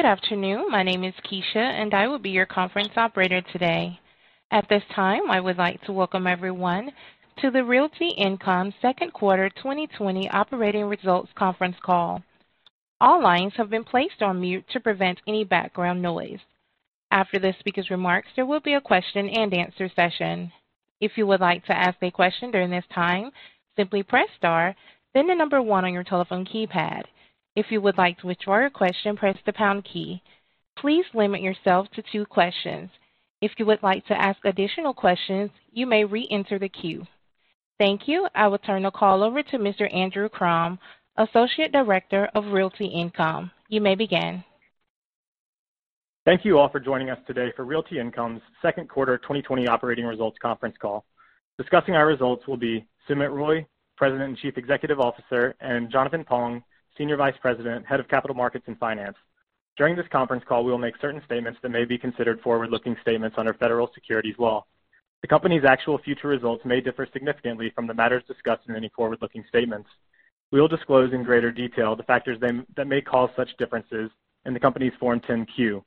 Good afternoon. My name is Keisha, and I will be your conference operator today. At this time, I would like to welcome everyone to the Realty Income Second Quarter 2020 Operating Results Conference Call. All lines have been placed on mute to prevent any background noise. After the speaker's remarks, there will be a question-and-answer session. If you would like to ask a question during this time, simply press star, then the number one on your telephone keypad. If you would like to withdraw your question, press the pound key. Please limit yourself to two questions. If you would like to ask additional questions, you may reenter the queue. Thank you. I will turn the call over to Mr. Andrew Crum, Associate Director of Realty Income. You may begin. Thank you all for joining us today for Realty Income's Second Quarter 2020 Operating Results Conference Call. Discussing our results will be Sumit Roy, President and Chief Executive Officer, and Jonathan Pong, Senior Vice President, Head of Capital Markets and Finance. During this conference call, we will make certain statements that may be considered forward-looking statements under federal securities law. The company's actual future results may differ significantly from the matters discussed in any forward-looking statements. We will disclose in greater detail the factors that may cause such differences in the company's Form 10-Q.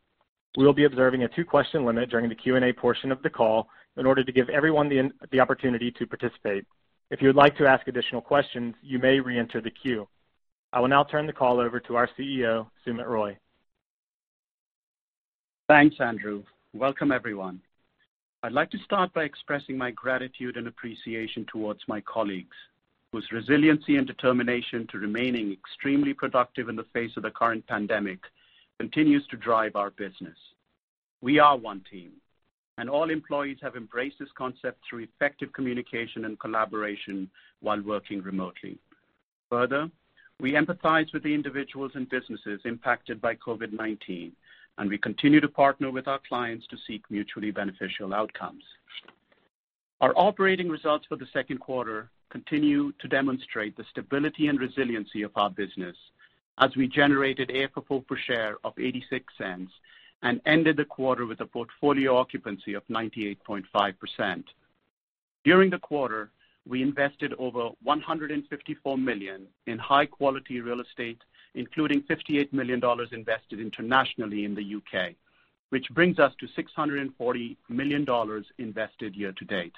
We will be observing a two-question limit during the Q and A portion of the call in order to give everyone the opportunity to participate. If you would like to ask additional questions, you may reenter the queue. I will now turn the call over to our CEO, Sumit Roy. Thanks, Andrew. Welcome, everyone. I'd like to start by expressing my gratitude and appreciation towards my colleagues, whose resiliency and determination to remaining extremely productive in the face of the current pandemic continues to drive our business. We are one team, and all employees have embraced this concept through effective communication and collaboration while working remotely. Further, we empathize with the individuals and businesses impacted by COVID-19, and we continue to partner with our clients to seek mutually beneficial outcomes. Our operating results for the second quarter continue to demonstrate the stability and resiliency of our business as we generated AFFO per share of $0.86 and ended the quarter with a portfolio occupancy of 98.5%. During the quarter, we invested over $154 million in high-quality real estate, including $58 million invested internationally in the U.K., which brings us to $640 million invested year to date.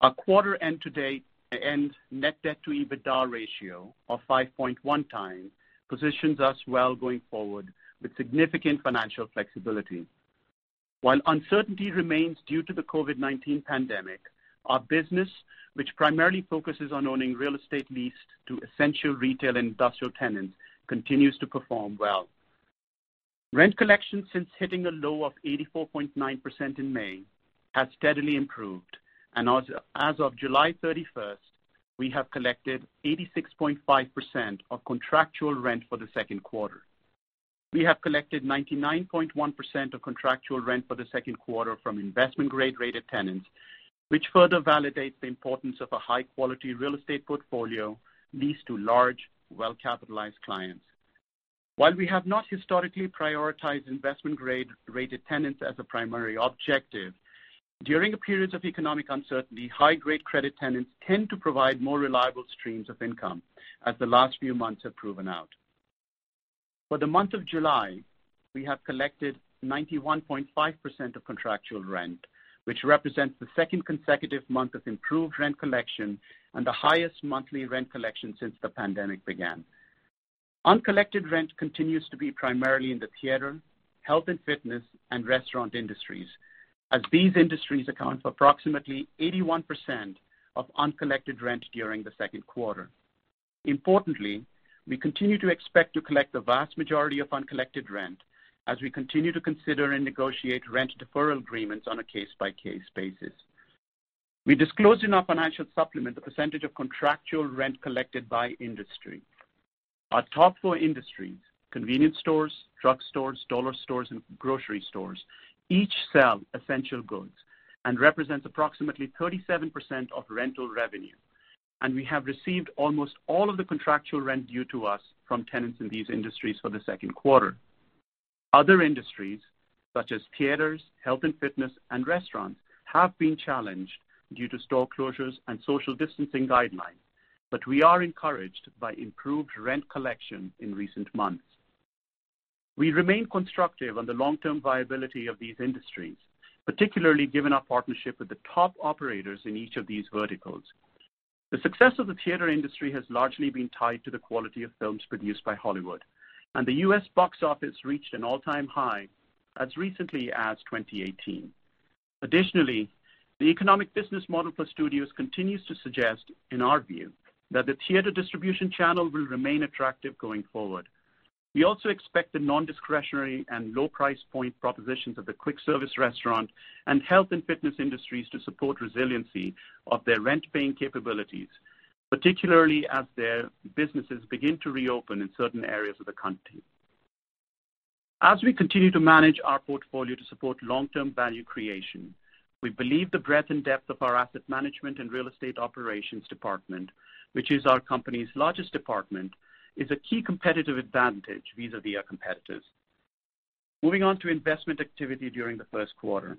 Our quarter end to date end net debt to EBITDA ratio of 5.1 times positions us well going forward with significant financial flexibility. While uncertainty remains due to the COVID-19 pandemic, our business, which primarily focuses on owning real estate leased to essential retail and industrial tenants, continues to perform well. Rent collection since hitting a low of 84.9% in May has steadily improved. As of July 31st, we have collected 86.5% of contractual rent for the second quarter. We have collected 99.1% of contractual rent for the second quarter from investment-grade-rated tenants, which further validates the importance of a high-quality real estate portfolio leased to large, well-capitalized clients. While we have not historically prioritized investment-grade-rated tenants as a primary objective, during periods of economic uncertainty, high-grade credit tenants tend to provide more reliable streams of income, as the last few months have proven out. For the month of July, we have collected 91.5% of contractual rent, which represents the second consecutive month of improved rent collection and the highest monthly rent collection since the pandemic began. Uncollected rent continues to be primarily in the theater, health and fitness, and restaurant industries, as these industries account for approximately 81% of uncollected rent during the second quarter. Importantly, we continue to expect to collect the vast majority of uncollected rent as we continue to consider and negotiate rent deferral agreements on a case-by-case basis. We disclose in our financial supplement the percentage of contractual rent collected by industry. Our top four industries, convenience stores, drug stores, dollar stores, and grocery stores, each sell essential goods and represents approximately 37% of rental revenue. We have received almost all of the contractual rent due to us from tenants in these industries for the second quarter. Other industries, such as theaters, health and fitness, and restaurants, have been challenged due to store closures and social distancing guidelines. We are encouraged by improved rent collection in recent months. We remain constructive on the long-term viability of these industries, particularly given our partnership with the top operators in each of these verticals. The success of the theater industry has largely been tied to the quality of films produced by Hollywood, and the U.S. box office reached an all-time high as recently as 2018. Additionally, the economic business model for studios continues to suggest, in our view, that the theater distribution channel will remain attractive going forward. We also expect the non-discretionary and low price point propositions of the quick service restaurant and health and fitness industries to support resiliency of their rent-paying capabilities, particularly as their businesses begin to reopen in certain areas of the country. As we continue to manage our portfolio to support long-term value creation, we believe the breadth and depth of our asset management and real estate operations department, which is our company's largest department, is a key competitive advantage vis-à-vis our competitors. Moving on to investment activity during the first quarter.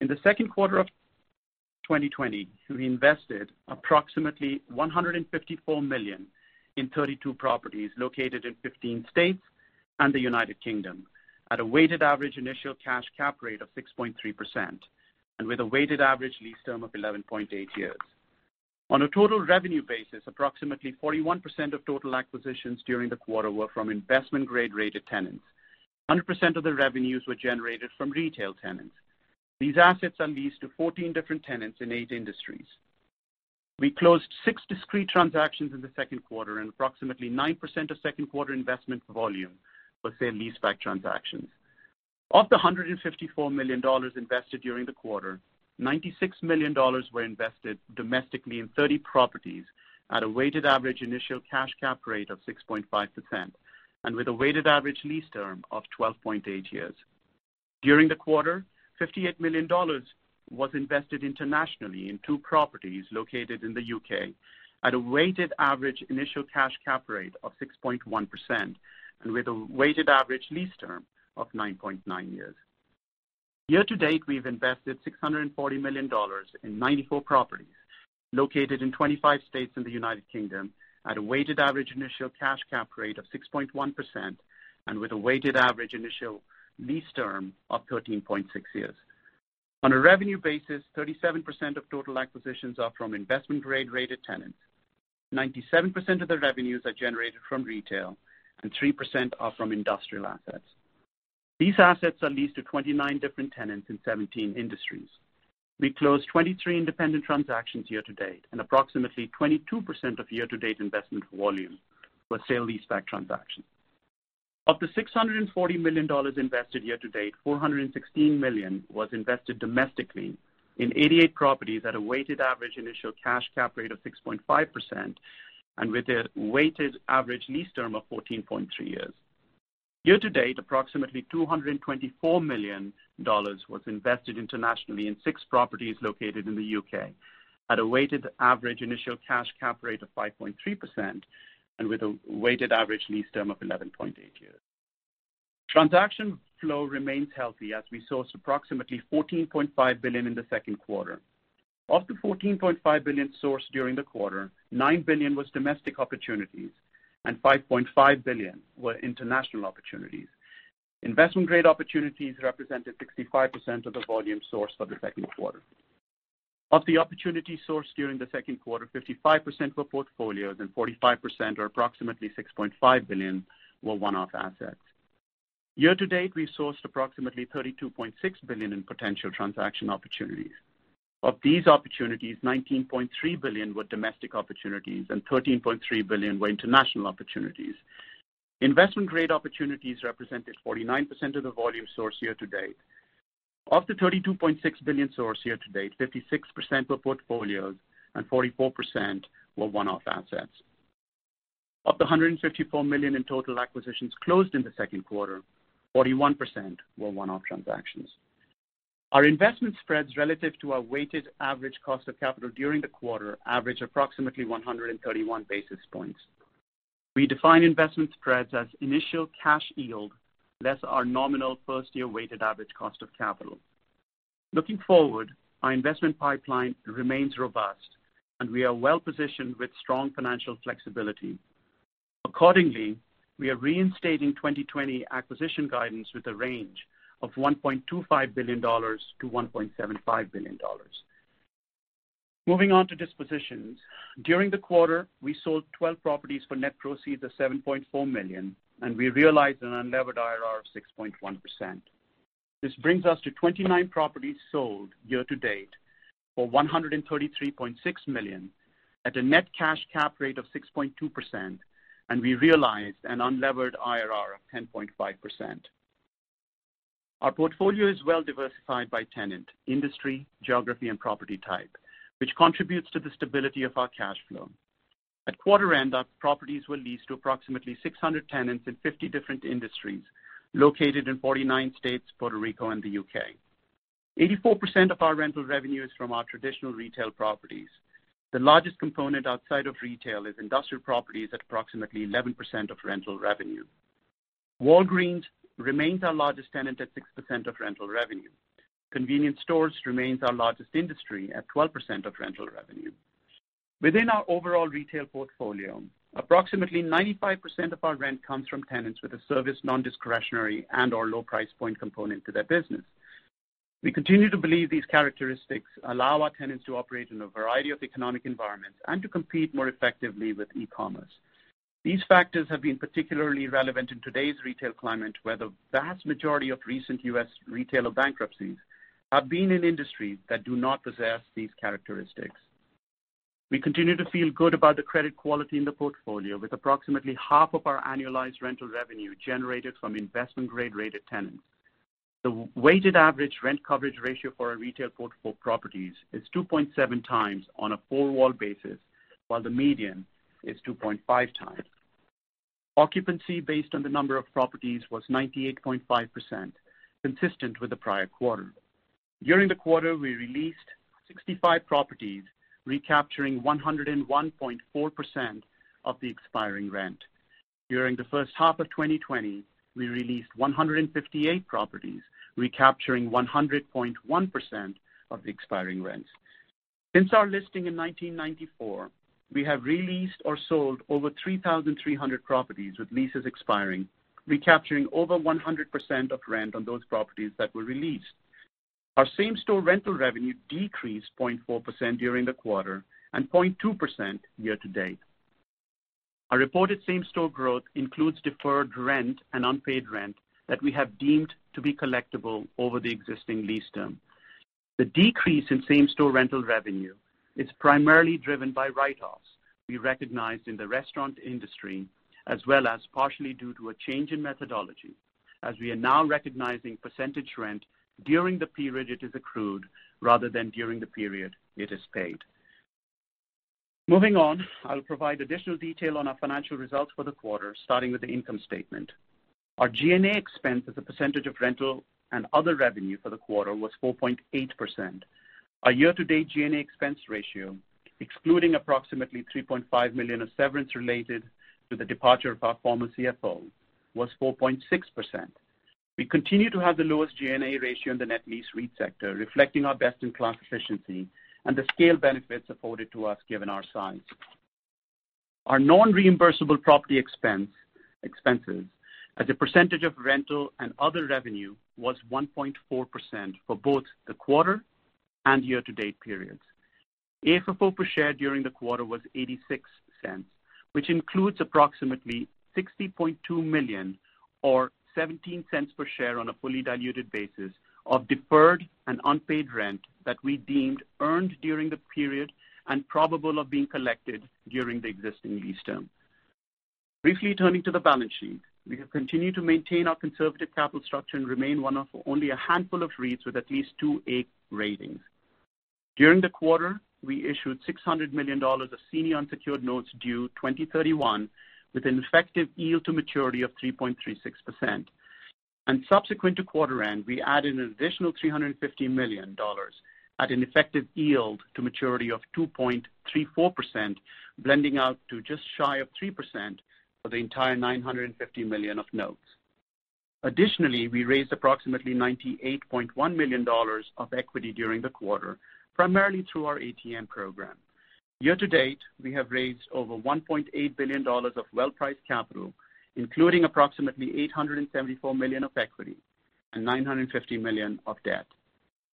In the second quarter of 2020, we invested approximately $154 million in 32 properties located in 15 states and the United Kingdom at a weighted average initial cash cap rate of 6.3%, and with a weighted average lease term of 11.8 years. On a total revenue basis, approximately 41% of total acquisitions during the quarter were from investment-grade rated tenants. 100% of the revenues were generated from retail tenants. These assets are leased to 14 different tenants in eight industries. We closed six discrete transactions in the second quarter, and approximately 9% of second quarter investment volume was sale-leaseback transactions. Of the $154 million invested during the quarter, $96 million were invested domestically in 30 properties at a weighted average initial cash cap rate of 6.5%, and with a weighted average lease term of 12.8 years. During the quarter, $58 million was invested internationally in two properties located in the U.K. at a weighted average initial cash cap rate of 6.1%, and with a weighted average lease term of 9.9 years. Year-to-date, we've invested $640 million in 94 properties located in 25 states in the United Kingdom at a weighted average initial cash cap rate of 6.1%, and with a weighted average initial lease term of 13.6 years. On a revenue basis, 37% of total acquisitions are from investment-grade rated tenants. 97% of the revenues are generated from retail, and 3% are from industrial assets. These assets are leased to 29 different tenants in 17 industries. We closed 23 independent transactions year to date, and approximately 22% of year-to-date investment volume was sale-leaseback transactions. Of the $640 million invested year to date, $416 million was invested domestically in 88 properties at a weighted average initial cash cap rate of 6.5%, and with a weighted average lease term of 14.3 years. Year to date, approximately $224 million was invested internationally in six properties located in the U.K. at a weighted average initial cash cap rate of 5.3%, and with a weighted average lease term of 11.8 years. Transaction flow remains healthy as we sourced approximately $14.5 billion in the second quarter. Of the $14.5 billion sourced during the quarter, $9 billion was domestic opportunities and $5.5 billion were international opportunities. Investment-grade opportunities represented 65% of the volume sourced for the second quarter. Of the opportunities sourced during the second quarter, 55% were portfolios and 45%, or approximately $6.5 billion, were one-off assets. Year to date, we sourced approximately $32.6 billion in potential transaction opportunities. Of these opportunities, $19.3 billion were domestic opportunities and $13.3 billion were international opportunities. Investment-grade opportunities represented 49% of the volume sourced year to date. Of the $32.6 billion sourced year to date, 56% were portfolios and 44% were one-off assets. Of the $154 million in total acquisitions closed in the second quarter, 41% were one-off transactions. Our investment spreads relative to our weighted average cost of capital during the quarter averaged approximately 131 basis points. We define investment spreads as initial cash yield, less our nominal first-year weighted average cost of capital. Looking forward, our investment pipeline remains robust, and we are well-positioned with strong financial flexibility. Accordingly, we are reinstating 2020 acquisition guidance with a range of $1.25 billion-$1.75 billion. Moving on to dispositions. During the quarter, we sold 12 properties for net proceeds of $7.4 million, and we realized an unlevered IRR of 6.1%. This brings us to 29 properties sold year to date for $133.6 million at a net cash cap rate of 6.2%, and we realized an unlevered IRR of 10.5%. Our portfolio is well-diversified by tenant, industry, geography, and property type, which contributes to the stability of our cash flow. At quarter end, our properties were leased to approximately 600 tenants in 50 different industries located in 49 states, Puerto Rico, and the U.K. 84% of our rental revenue is from our traditional retail properties. The largest component outside of retail is industrial properties at approximately 11% of rental revenue. Walgreens remains our largest tenant at 6% of rental revenue. Convenience stores remains our largest industry at 12% of rental revenue. Within our overall retail portfolio, approximately 95% of our rent comes from tenants with a service non-discretionary and/or low price point component to their business. We continue to believe these characteristics allow our tenants to operate in a variety of economic environments and to compete more effectively with e-commerce. These factors have been particularly relevant in today's retail climate where the vast majority of recent U.S. retailer bankruptcies have been in industries that do not possess these characteristics. We continue to feel good about the credit quality in the portfolio with approximately half of our annualized rental revenue generated from investment-grade rated tenants. The weighted average rent coverage ratio for our retail portfolio properties is 2.7 times on a four-walll basis, while the median is 2.5 times. Occupancy based on the number of properties was 98.5%, consistent with the prior quarter. During the quarter, we re-leased 65 properties, recapturing 101.4% of the expiring rent. During the first half of 2020, we re-leased 158 properties, recapturing 100.1% of the expiring rents. Since our listing in 1994, we have re-leased or sold over 3,300 properties with leases expiring, recapturing over 100% of rent on those properties that were re-leased. Our same-store rental revenue decreased 0.4% during the quarter and 0.2% year-to-date. Our reported same-store growth includes deferred rent and unpaid rent that we have deemed to be collectible over the existing lease term. The decrease in same-store rental revenue is primarily driven by write-offs we recognized in the restaurant industry, as well as partially due to a change in methodology, as we are now recognizing percentage rent during the period it is accrued rather than during the period it is paid. Moving on, I'll provide additional detail on our financial results for the quarter, starting with the income statement. Our G&A expense as a percentage of rental and other revenue for the quarter was 4.8%. Our year-to-date G&A expense ratio, excluding approximately $3.5 million of severance related to the departure of our former CFO, was 4.6%. We continue to have the lowest G&A ratio in the net lease REIT sector, reflecting our best-in-class efficiency and the scale benefits afforded to us given our size. Our non-reimbursable property expenses as a percentage of rental and other revenue was 1.4% for both the quarter and year-to-date periods. AFFO per share during the quarter was $0.86, which includes approximately $60.2 million or $0.17 per share on a fully diluted basis of deferred and unpaid rent that we deemed earned during the period and probable of being collected during the existing lease term. Briefly turning to the balance sheet. We have continued to maintain our conservative capital structure and remain one of only a handful of REITs with at least 2A ratings. During the quarter, we issued $600 million of senior unsecured notes due 2031 with an effective yield to maturity of 3.36%. Subsequent to quarter end, we added an additional $350 million at an effective yield to maturity of 2.34%, blending out to just shy of 3% for the entire $950 million of notes. Additionally, we raised approximately $98.1 million of equity during the quarter, primarily through our ATM program. Year to date, we have raised over $1.8 billion of well-priced capital, including approximately $874 million of equity and $950 million of debt.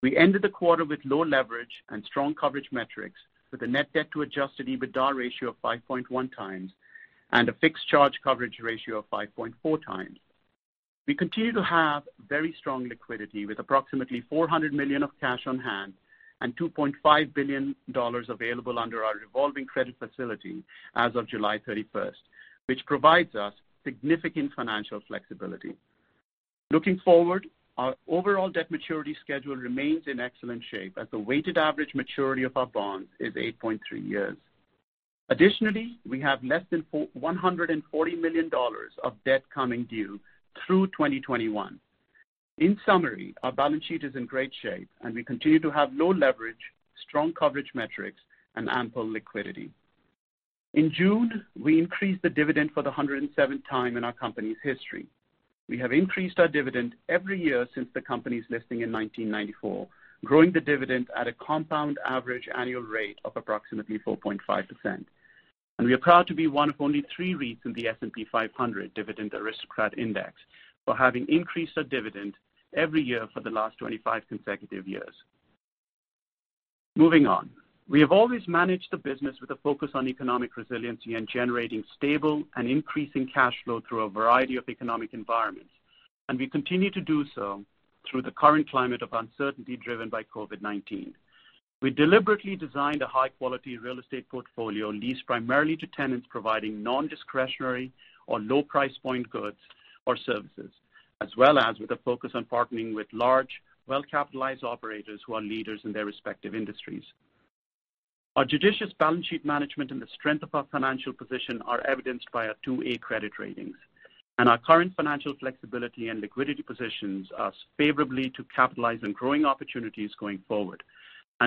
We ended the quarter with low leverage and strong coverage metrics, with a net debt to Adjusted EBITDA ratio of 5.1 times and a fixed charge coverage ratio of 5.4 times. We continue to have very strong liquidity, with approximately $400 million of cash on hand and $2.5 billion available under our revolving credit facility as of July 31st, which provides us significant financial flexibility. Looking forward, our overall debt maturity schedule remains in excellent shape as the weighted average maturity of our bonds is 8.3 years. Additionally, we have less than $140 million of debt coming due through 2021. In summary, our balance sheet is in great shape and we continue to have low leverage, strong coverage metrics, and ample liquidity. In June, we increased the dividend for the 107th time in our company's history. We have increased our dividend every year since the company's listing in 1994, growing the dividend at a compound average annual rate of approximately 4.5%. We are proud to be one of only three REITs in the S&P 500 Dividend Aristocrats Index for having increased our dividend every year for the last 25 consecutive years. Moving on. We have always managed the business with a focus on economic resiliency and generating stable and increasing cash flow through a variety of economic environments. We continue to do so through the current climate of uncertainty driven by COVID-19. We deliberately designed a high-quality real estate portfolio leased primarily to tenants providing non-discretionary or low price point goods or services, as well as with a focus on partnering with large, well-capitalized operators who are leaders in their respective industries. Our judicious balance sheet management and the strength of our financial position are evidenced by our 2A credit ratings. Our current financial flexibility and liquidity positions us favorably to capitalize on growing opportunities going forward.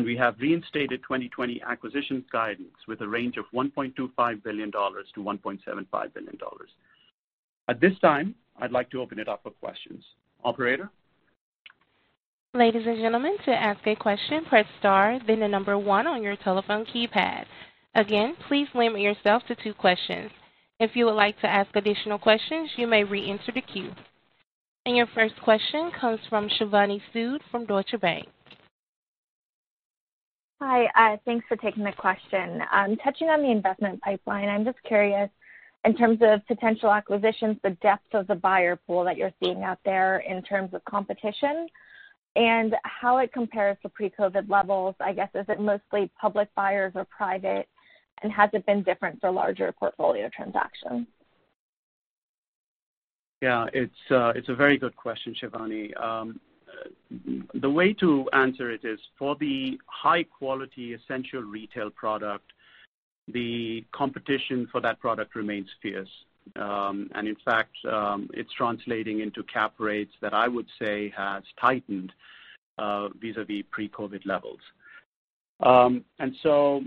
We have reinstated 2020 acquisitions guidance with a range of $1.25 billion-$1.75 billion. At this time, I'd like to open it up for questions. Operator? Ladies and gentlemen, to ask a question, press star, then the number one on your telephone keypad. Again, please limit yourself to two questions. If you would like to ask additional questions, you may re-enter the queue. Your first question comes from Shivani Sood from Deutsche Bank. Hi. Thanks for taking the question. Touching on the investment pipeline, I'm just curious, in terms of potential acquisitions, the depth of the buyer pool that you're seeing out there in terms of competition and how it compares to pre-COVID-19 levels. I guess, is it mostly public buyers or private, and has it been different for larger portfolio transactions? Yeah, it's a very good question, Shivani. The way to answer it is, for the high-quality essential retail product, the competition for that product remains fierce. In fact, it's translating into cap rates that I would say has tightened vis-à-vis pre-COVID levels. So,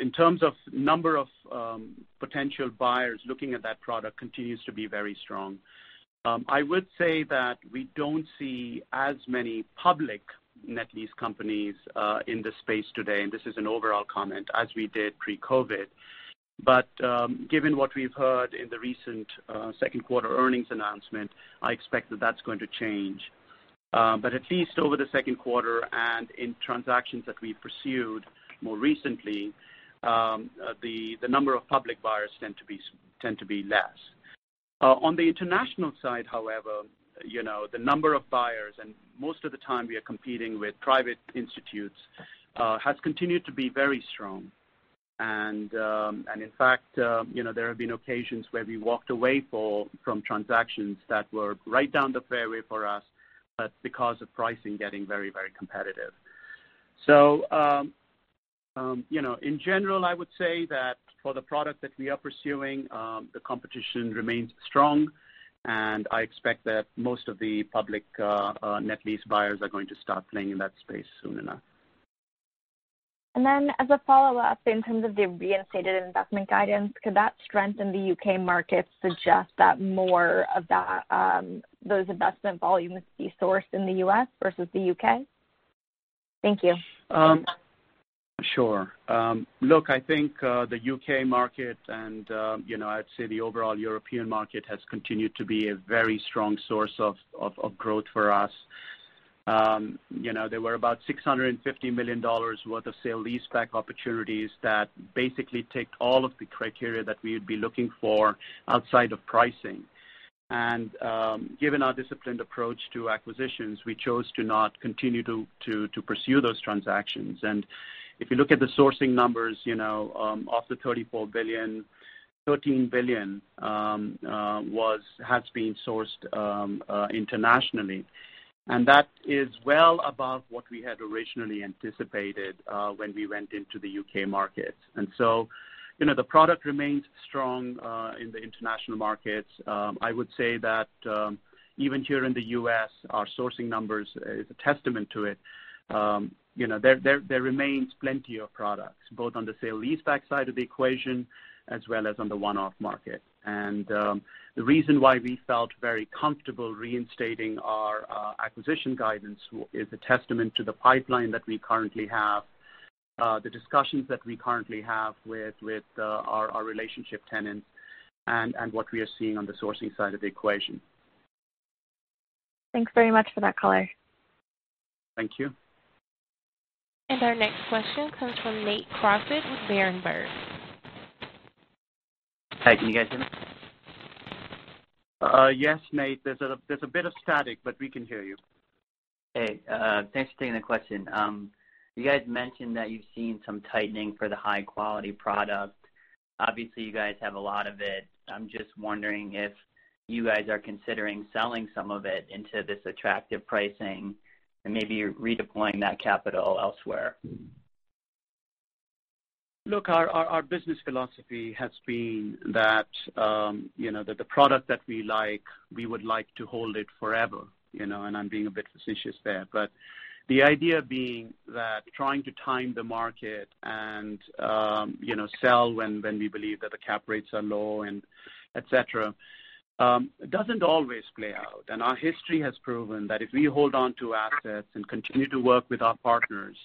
in terms of number of potential buyers looking at that product continues to be very strong. I would say that we don't see as many public net lease companies in this space today, and this is an overall comment, as we did pre-COVID. Given what we've heard in the recent second quarter earnings announcement, I expect that that's going to change. At least over the second quarter and in transactions that we pursued more recently, the number of public buyers tend to be less. On the international side, however, the number of buyers, and most of the time we are competing with private institutions, has continued to be very strong. In fact, there have been occasions where we walked away from transactions that were right down the fairway for us, but because of pricing getting very competitive. In general, I would say that for the product that we are pursuing, the competition remains strong, and I expect that most of the public net lease buyers are going to start playing in that space soon enough. Then, as a follow-up, in terms of the reinstated investment guidance, could that strengthen the U.K. market suggest that more of those investment volumes be sourced in the U.S. versus the U.K.? Thank you. Sure. Look, I think the U.K. market and I'd say the overall European market has continued to be a very strong source of growth for us. There were about $650 million worth of sale-leaseback opportunities that basically ticked all of the criteria that we would be looking for outside of pricing. Given our disciplined approach to acquisitions, we chose to not continue to pursue those transactions. If you look at the sourcing numbers, of the $34 billion, $13 billion has been sourced internationally. That is well above what we had originally anticipated when we went into the U.K. market. The product remains strong in the international markets. I would say that even here in the U.S., our sourcing numbers is a testament to it. There remains plenty of products, both on the sale-leaseback side of the equation as well as on the one-off market. The reason why we felt very comfortable reinstating our acquisition guidance is a testament to the pipeline that we currently have, the discussions that we currently have with our relationship tenants, and what we are seeing on the sourcing side of the equation. Thanks very much for that color. Thank you. Our next question comes from Nate Crossett with Berenberg. Hi, can you guys hear me? Yes, Nate. There's a bit of static, but we can hear you. Hey, thanks for taking the question. You guys mentioned that you've seen some tightening for the high-quality product. Obviously, you guys have a lot of it. I'm just wondering if you guys are considering selling some of it into this attractive pricing and maybe redeploying that capital elsewhere. Look, our business philosophy has been that the product that we like, we would like to hold it forever. I'm being a bit facetious there. The idea being that trying to time the market and sell when we believe that the cap rates are low and et cetera, doesn't always play out. Our history has proven that if we hold onto assets and continue to work with our partners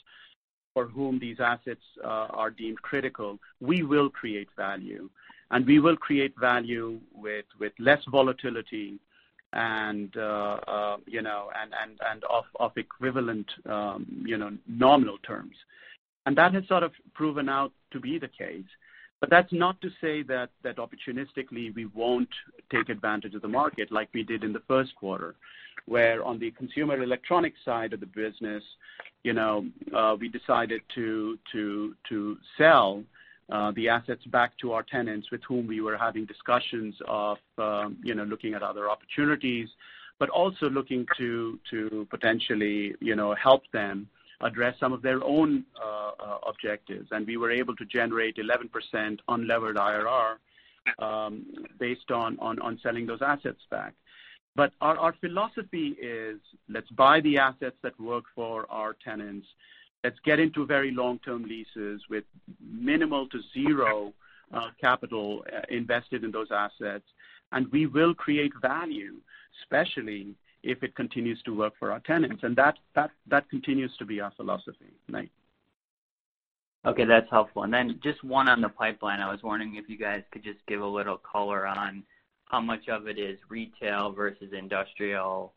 for whom these assets are deemed critical, we will create value. We will create value with less volatility and of equivalent nominal terms. That has sort of proven out to be the case. That's not to say that opportunistically, we won't take advantage of the market like we did in the first quarter, where on the consumer electronic side of the business, we decided to sell the assets back to our tenants with whom we were having discussions of looking at other opportunities, but also looking to potentially help them address some of their own objectives. We were able to generate 11% unlevered IRR based on selling those assets back. Our philosophy is, let's buy the assets that work for our tenants. Let's get into very long-term leases with minimal to zero capital invested in those assets, and we will create value, especially if it continues to work for our tenants. That continues to be our philosophy, Nate. Okay, that's helpful. Just one on the pipeline. I was wondering if you guys could just give a little color on how much of it is retail versus industrial,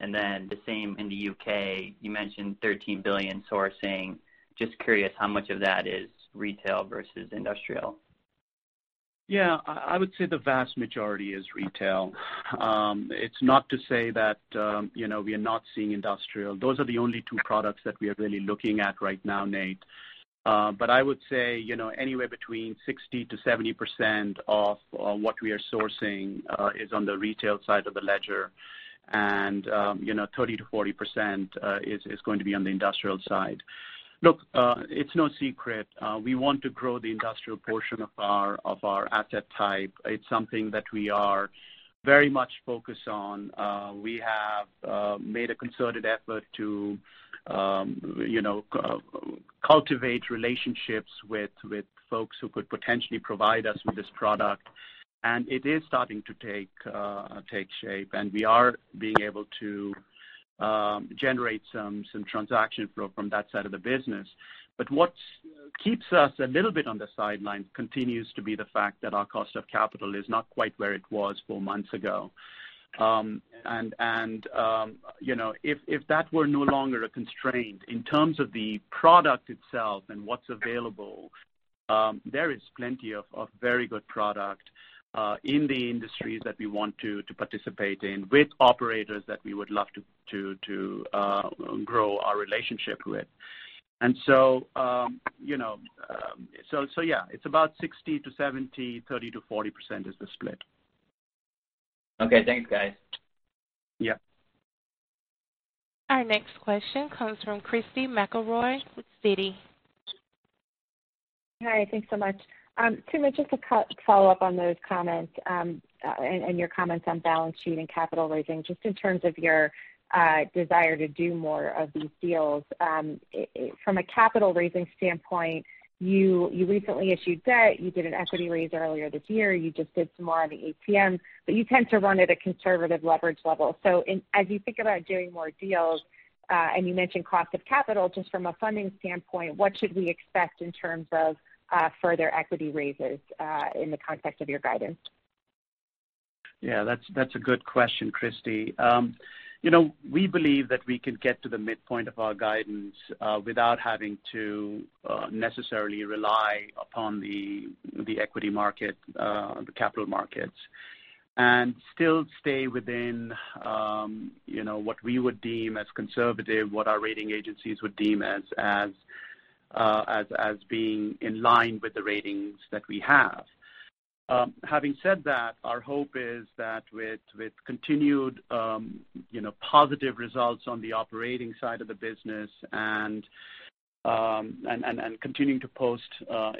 and then the same in the U.K. You mentioned $13 billion sourcing. Just curious how much of that is retail versus industrial. Yeah. I would say the vast majority is retail. It's not to say that we are not seeing industrial. Those are the only two products that we are really looking at right now, Nate. I would say, anywhere between 60%-70% of what we are sourcing is on the retail side of the ledger and 30%-40% is going to be on the industrial side. Look, it's no secret. We want to grow the industrial portion of our asset type. It's something that we are very much focused on. We have made a concerted effort to cultivate relationships with folks who could potentially provide us with this product. It is starting to take shape, and we are being able to generate some transaction flow from that side of the business. What keeps us a little bit on the sideline continues to be the fact that our cost of capital is not quite where it was four months ago. If that were no longer a constraint in terms of the product itself and what's available, there is plenty of very good product in the industries that we want to participate in with operators that we would love to grow our relationship with. Yeah. It's about 60%-70%, 30%-40% is the split. Okay. Thanks, guys. Yeah. Our next question comes from Christy McElroy with Citi. Hi, thanks so much. Sumit, just to follow up on those comments, and your comments on balance sheet and capital raising, just in terms of your desire to do more of these deals. From a capital raising standpoint, you recently issued debt. You did an equity raise earlier this year. You just did some more on the ATM, but you tend to run at a conservative leverage level. As you think about doing more deals, and you mentioned cost of capital, just from a funding standpoint, what should we expect in terms of further equity raises, in the context of your guidance? Yeah, that's a good question, Christy. We believe that we can get to the midpoint of our guidance, without having to necessarily rely upon the equity market, the capital markets, and still stay within what we would deem as conservative, what our rating agencies would deem as being in line with the ratings that we have. Having said that, our hope is that with continued positive results on the operating side of the business and continuing to post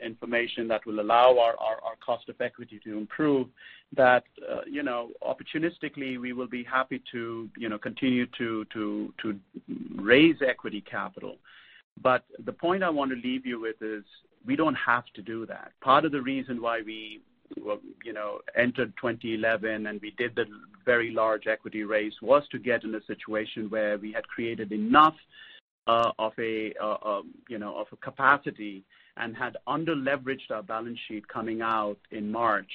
information that will allow our cost of equity to improve, that opportunistically, we will be happy to continue to raise equity capital. The point I want to leave you with is we don't have to do that. Part of the reason why we entered 2011, and we did the very large equity raise, was to get in a situation where we had created enough of a capacity and had under-leveraged our balance sheet coming out in March,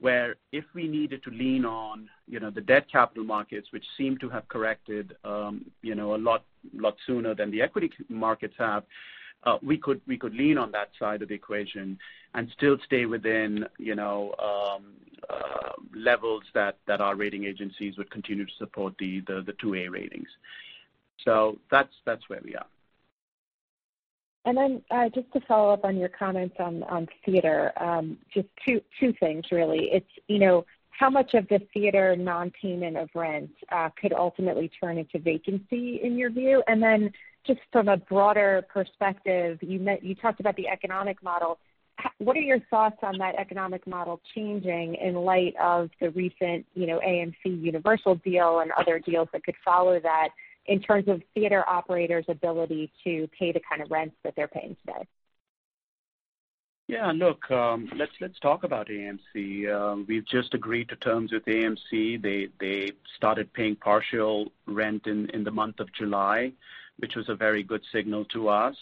where if we needed to lean on the debt capital markets, which seem to have corrected a lot sooner than the equity markets have, we could lean on that side of the equation and still stay within levels that our rating agencies would continue to support the 2A ratings. That's where we are. Just to follow up on your comments on theater. Just two things really. How much of the theater non-payment of rent could ultimately turn into vacancy in your view? Just from a broader perspective, you talked about the economic model. What are your thoughts on that economic model changing in light of the recent AMC Universal deal and other deals that could follow that in terms of theater operators' ability to pay the kind of rents that they're paying today? Yeah, look, let's talk about AMC. We've just agreed to terms with AMC. They started paying partial rent in the month of July, which was a very good signal to us.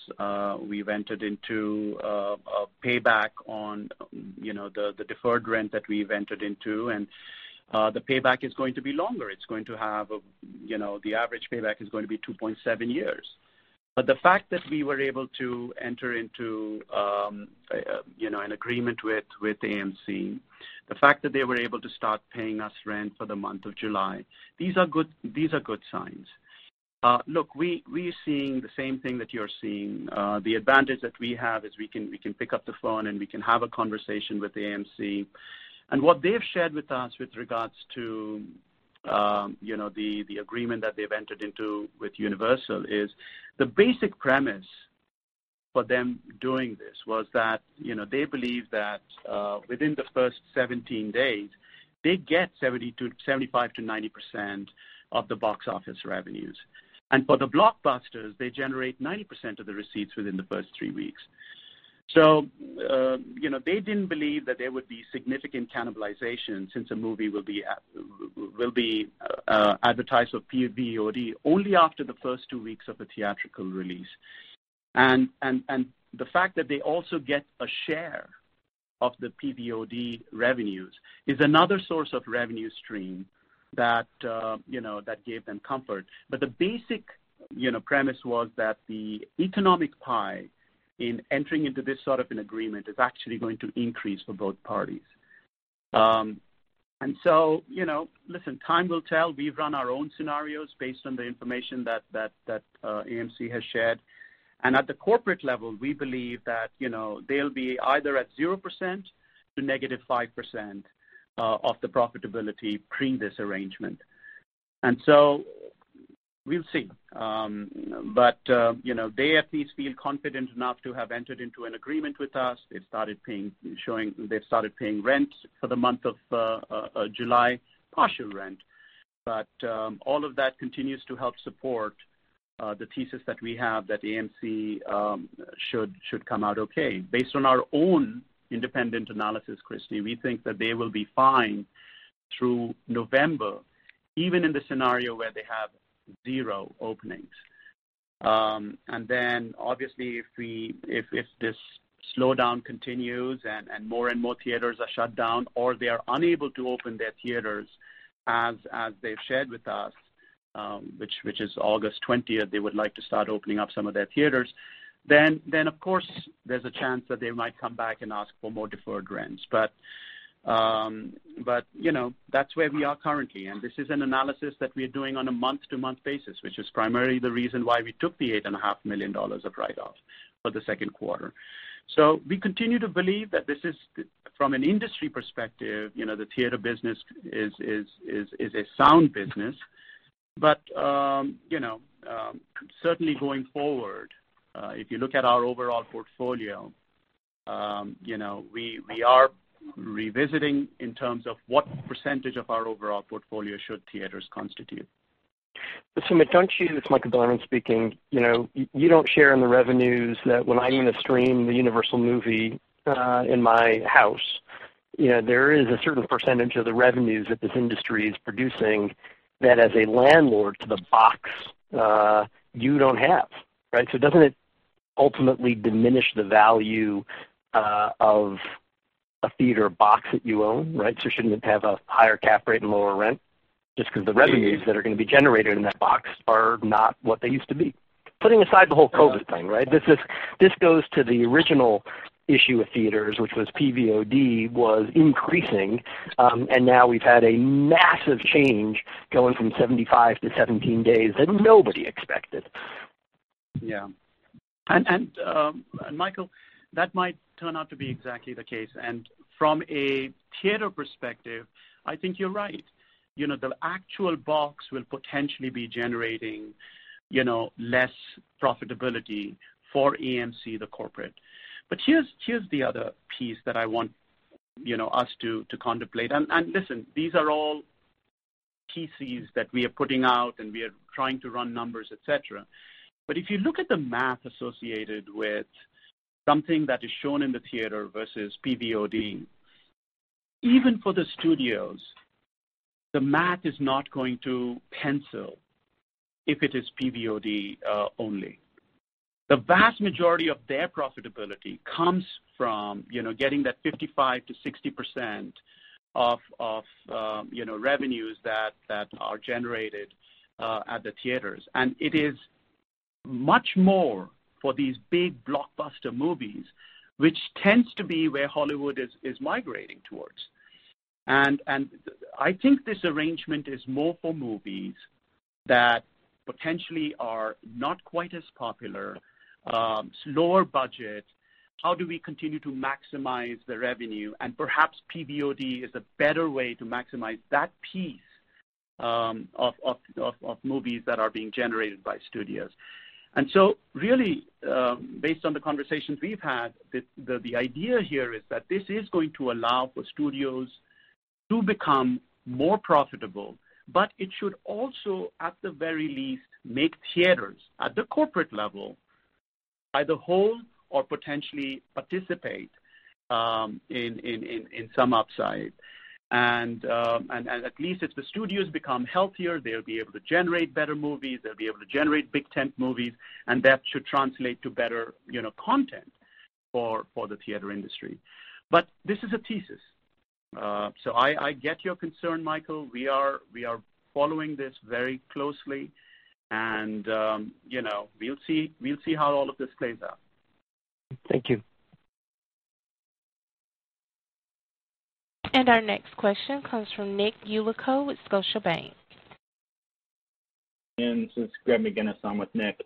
We've entered into a payback on the deferred rent that we've entered into, and the payback is going to be longer. The average payback is going to be 2.7 years. The fact that we were able to enter into an agreement with AMC, the fact that they were able to start paying us rent for the month of July, these are good signs. Look, we're seeing the same thing that you're seeing. The advantage that we have is we can pick up the phone, and we can have a conversation with AMC. What they've shared with us with regards to the agreement that they've entered into with Universal is the basic premise for them doing this was that they believe that, within the first 17 days, they get 75%-90% of the box office revenues. For the blockbusters, they generate 90% of the receipts within the first three weeks. They didn't believe that there would be significant cannibalization since a movie will be advertised for PVOD only after the first two weeks of the theatrical release. The fact that they also get a share of the PVOD revenues is another source of revenue stream that gave them comfort. The basic premise was that the economic pie in entering into this sort of an agreement is actually going to increase for both parties. Listen, time will tell. We've run our own scenarios based on the information that AMC has shared. At the corporate level, we believe that they'll be either at 0% to -5% of the profitability pre this arrangement. We'll see. They at least feel confident enough to have entered into an agreement with us. They've started paying rent for the month of July partial rent. All of that continues to help support the thesis that we have that AMC should come out okay. Based on our own independent analysis, Christy, we think that they will be fine through November, even in the scenario where they have zero openings. Obviously, if this slowdown continues and more and more theaters are shut down, or they are unable to open their theaters as they've shared with us, which is August 20th, they would like to start opening up some of their theaters, there's a chance that they might come back and ask for more deferred rents. That's where we are currently, and this is an analysis that we are doing on a month-to-month basis, which is primarily the reason why we took the $8.5 million of write-offs for the second quarter. We continue to believe that this is, from an industry perspective, the theater business is a sound business. Certainly going forward, if you look at our overall portfolio, we are revisiting in terms of what percentage of our overall portfolio should theaters constitute. Sumit, it's Michael Bilerman speaking. You don't share in the revenues that when I'm going to stream the Universal movie in my house, there is a certain percentage of the revenues that this industry is producing that as a landlord to the box, you don't have, right? Doesn't it ultimately diminish the value of a theater box that you own, right? Shouldn't it have a higher cap rate and lower rent just because the revenues that are going to be generated in that box are not what they used to be? Putting aside the whole COVID-19 thing, right? This goes to the original issue of theaters, which was PVOD was increasing. Now we've had a massive change going from 75 to 17 days that nobody expected. Yeah. Michael, that might turn out to be exactly the case. From a theater perspective, I think you're right. The actual box will potentially be generating less profitability for AMC, the corporate. Here's the other piece that I want us to contemplate. Listen, these are all pieces that we are putting out, and we are trying to run numbers, et cetera. If you look at the math associated with something that is shown in the theater versus PVOD, even for the studios, the math is not going to pencil if it is PVOD only. The vast majority of their profitability comes from getting that 55% to 60% of revenues that are generated at the theaters. It is much more for these big blockbuster movies, which tends to be where Hollywood is migrating towards. I think this arrangement is more for movies that potentially are not quite as popular, lower budget. How do we continue to maximize the revenue? Perhaps PVOD is a better way to maximize that piece of movies that are being generated by studios. Really, based on the conversations we've had, the idea here is that this is going to allow for studios to become more profitable, but it should also, at the very least, make theaters at the corporate level, either whole or potentially participate in some upside. At least if the studios become healthier, they'll be able to generate better movies, they'll be able to generate big tent movies, and that should translate to better content for the theater industry. This is a thesis. I get your concern, Michael. We are following this very closely and we'll see how all of this plays out. Thank you. Our next question comes from Nicholas Yulico with Scotiabank. This is Greg McGinnis. I'm with Nick.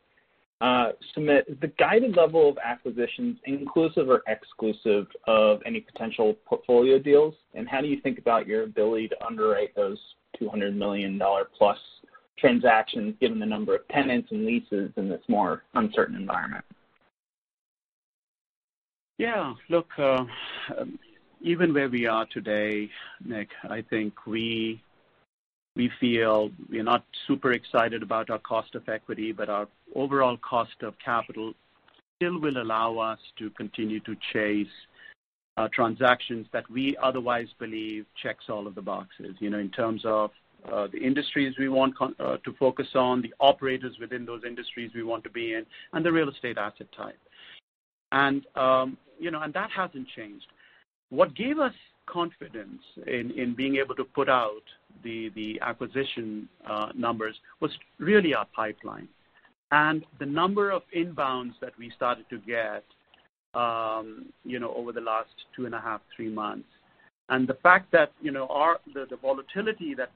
Sumit, is the guided level of acquisitions inclusive or exclusive of any potential portfolio deals? How do you think about your ability to underwrite those $200 million-plus transactions given the number of tenants and leases in this more uncertain environment? Yeah. Look, even where we are today, Nick, I think we feel we're not super excited about our cost of equity, but our overall cost of capital still will allow us to continue to chase transactions that we otherwise believe checks all of the boxes. In terms of the industries we want to focus on, the operators within those industries we want to be in, and the real estate asset type. That hasn't changed. What gave us confidence in being able to put out the acquisition numbers was really our pipeline, and the number of inbounds that we started to get over the last two and a half, three months. The fact that the volatility that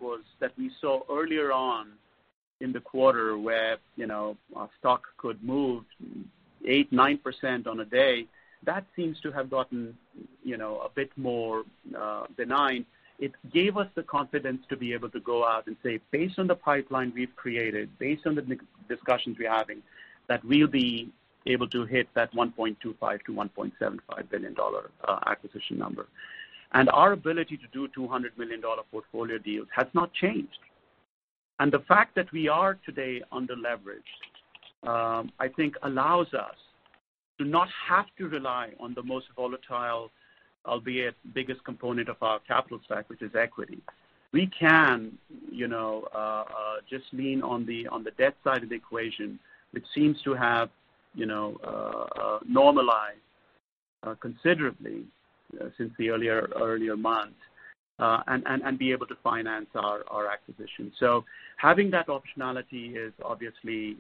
we saw earlier on in the quarter where our stock could move 8%, 9% on a day, that seems to have gotten a bit more benign. It gave us the confidence to be able to go out and say, based on the pipeline we've created, based on the discussions we're having, that we'll be able to hit that $1.25 billion-$1.75 billion acquisition number. Our ability to do $200 million portfolio deals has not changed. The fact that we are today under-leveraged, I think allows us to not have to rely on the most volatile, albeit biggest component of our capital stack, which is equity. We can just lean on the debt side of the equation, which seems to have normalized considerably since the earlier months, and be able to finance our acquisitions. Having that optionality is obviously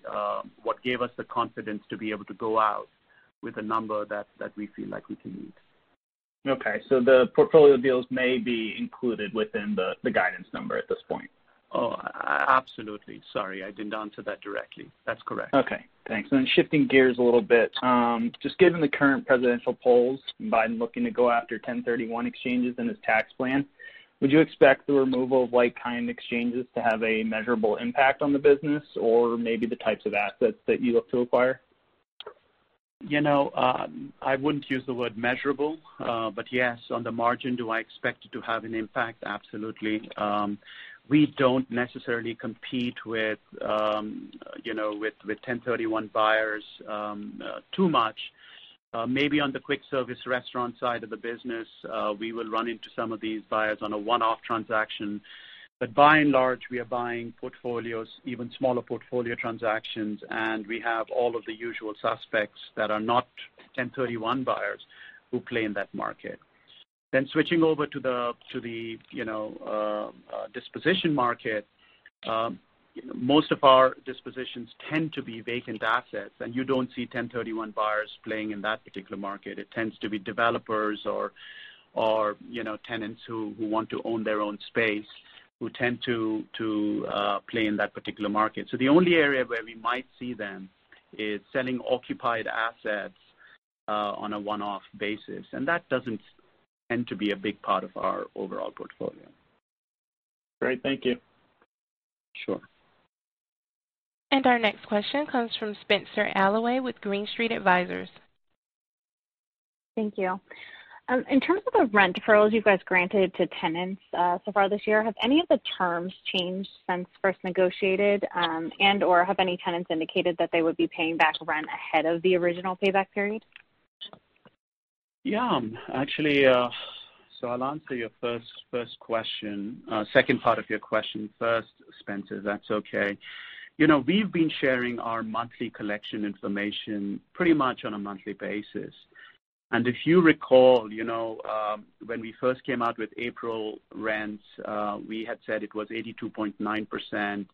what gave us the confidence to be able to go out with a number that we feel like we can meet. Okay. The portfolio deals may be included within the guidance number at this point? Oh, absolutely. Sorry, I didn't answer that directly. That's correct. Okay, thanks. Shifting gears a little bit. Just given the current presidential polls, Biden looking to go after 1031 exchanges in his tax plan, would you expect the removal of like-kind exchanges to have a measurable impact on the business or maybe the types of assets that you look to acquire? I wouldn't use the word measurable. Yes, on the margin, do I expect it to have an impact? Absolutely. We don't necessarily compete with 1031 buyers too much. Maybe on the quick service restaurant side of the business we will run into some of these buyers on a one-off transaction. By and large, we are buying portfolios, even smaller portfolio transactions, and we have all of the usual suspects that are not 1031 buyers who play in that market. Switching over to the disposition market. Most of our dispositions tend to be vacant assets, and you don't see 1031 buyers playing in that particular market. It tends to be developers or tenants who want to own their own space who tend to play in that particular market. The only area where we might see them is selling occupied assets on a one-off basis, and that doesn't tend to be a big part of our overall portfolio. Great. Thank you. Sure. Our next question comes from Spenser Allaway with Green Street Advisors. Thank you. In terms of the rent deferrals you guys granted to tenants so far this year, have any of the terms changed since first negotiated? Have any tenants indicated that they would be paying back rent ahead of the original payback period? I'll answer your second part of your question first, Spenser. That's okay. We've been sharing our monthly collection information pretty much on a monthly basis. If you recall when we first came out with April rents, we had said it was 82.9%.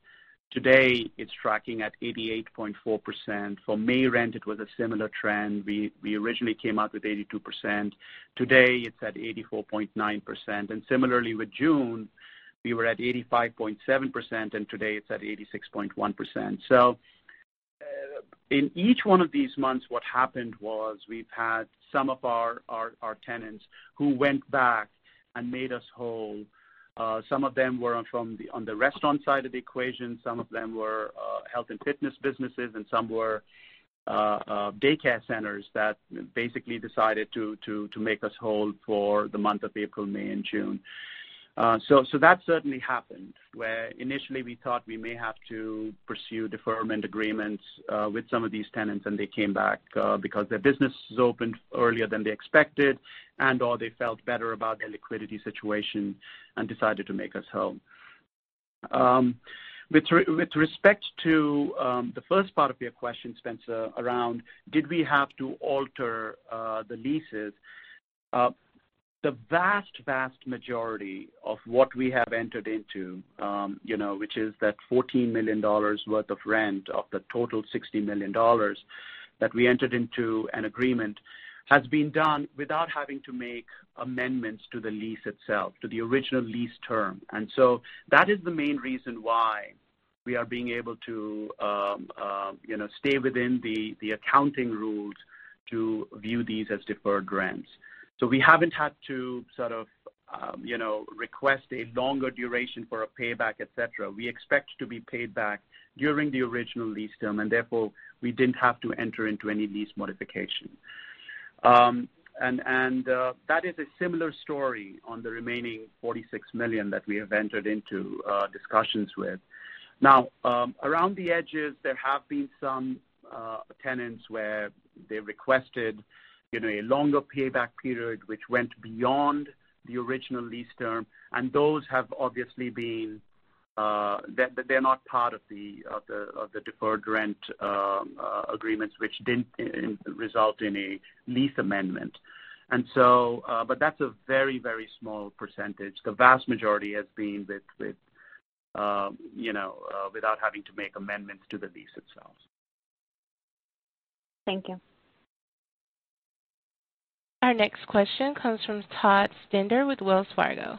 Today it's tracking at 88.4%. For May rent, it was a similar trend. We originally came out with 82%. Today it's at 84.9%. Similarly with June, we were at 85.7%, and today it's at 86.1%. In each one of these months, what happened was we've had some of our tenants who went back and made us whole. Some of them were on the restaurant side of the equation, some of them were health and fitness businesses, and some were daycare centers that basically decided to make us whole for the month of April, May, and June. That certainly happened, where initially we thought we may have to pursue deferment agreements with some of these tenants, and they came back because their businesses opened earlier than they expected and/or they felt better about their liquidity situation and decided to make us whole. With respect to the first part of your question, Spenser, around did we have to alter the leases? The vast majority of what we have entered into, which is that $14 million worth of rent of the total $60 million that we entered into an agreement, has been done without having to make amendments to the lease itself, to the original lease term. That is the main reason why we are being able to stay within the accounting rules to view these as deferred rents. We haven't had to request a longer duration for a payback, et cetera. We expect to be paid back during the original lease term, and therefore, we didn't have to enter into any lease modification. That is a similar story on the remaining $46 million that we have entered into discussions with. Now, around the edges, there have been some tenants where they requested a longer payback period, which went beyond the original lease term. They're not part of the deferred rent agreements, which didn't result in a lease amendment. That's a very small percentage. The vast majority has been without having to make amendments to the lease itself. Thank you. Our next question comes from Todd Stender with Wells Fargo.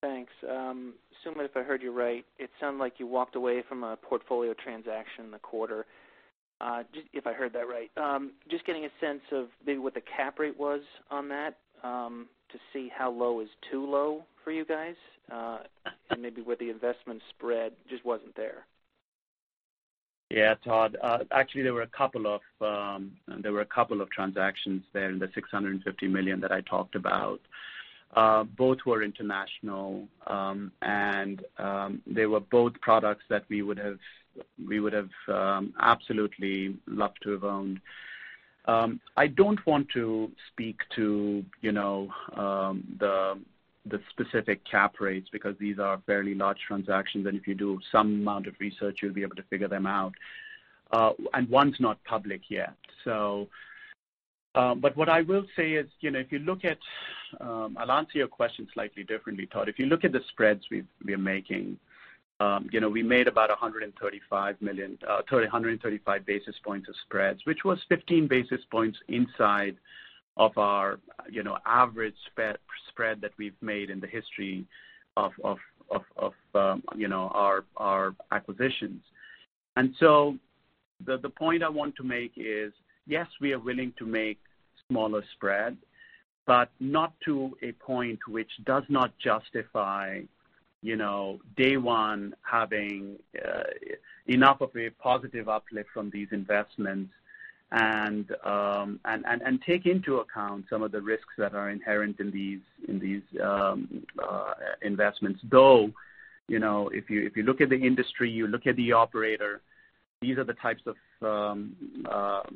Thanks. Sumit, if I heard you right, it sounded like you walked away from a portfolio transaction in the quarter. If I heard that right, just getting a sense of maybe what the cap rate was on that to see how low is too low for you guys, and maybe where the investment spread just wasn't there. Yeah, Todd. Actually, there were a couple of transactions there in the $650 million that I talked about. Both were international, they were both products that we would have absolutely loved to have owned. I don't want to speak to the specific cap rates, because these are fairly large transactions, and if you do some amount of research, you'll be able to figure them out. One's not public yet. What I will say is, I'll answer your question slightly differently, Todd. If you look at the spreads we are making, we made about 135 basis points of spreads, which was 15 basis points inside of our average spread that we've made in the history of our acquisitions. The point I want to make is, yes, we are willing to make smaller spread, but not to a point which does not justify day one having enough of a positive uplift from these investments and take into account some of the risks that are inherent in these investments. Though, if you look at the industry, you look at the operator, these are the types of